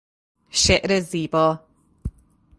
شعر زیبا